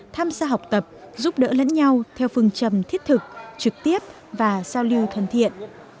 tham gia học tập giúp đỡ lẫn nhau theo phương trầm thiết thực trực tiếp và giao lưu thân thiện